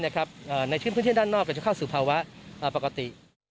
ในพื้นที่ด้านนอกจะเข้าสู่ภาวะปกติ